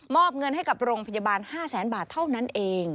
อบเงินให้กับโรงพยาบาล๕แสนบาทเท่านั้นเอง